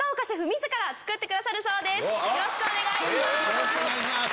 よろしくお願いします。